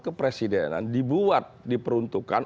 kepresidenan dibuat diperuntukkan